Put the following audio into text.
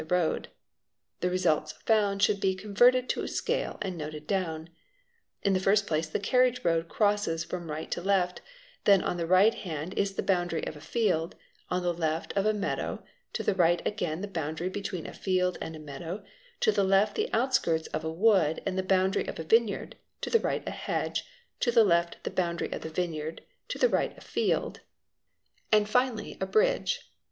the road; th results found should be converted to scale and noted down. In the firs place the carriage road crosses from right to left, then on the right han is the boundary of a field, on the left of a meadow, to the right agam the boundary between a field and a meadow, to the left the outskirts ¢ a wood and the boundary of a vineyard, to the right a hedge, to the le' the boundary of the vineyard, to the right that of a field, and finally bridge.